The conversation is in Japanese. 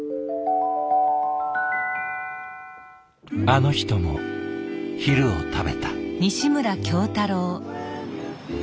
あの人も昼を食べた。